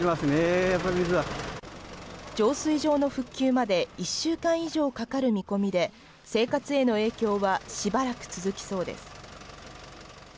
浄水場の復旧まで１週間以上かかる見込みで、生活への影響はしばらく続きそうです。